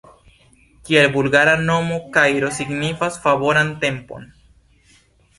Kiel vulgara nomo kairo signas favoran tempon.